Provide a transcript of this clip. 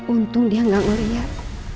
untung dia gak ngeliat